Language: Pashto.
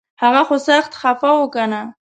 هغه خو سخت خفه و کنه